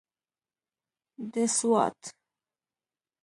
د سوات.